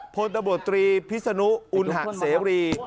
พลตบรวจตรีพิศนุอุณหาศรี